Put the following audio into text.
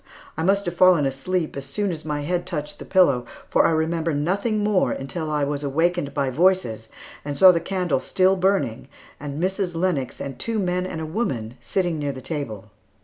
I must have fallen asleep as soon as my head touched the pillow, for I remember nothing more until I was awakened by voices, and saw the candle still burning and Mrs. Lennox and two men and a woman sitting near the table.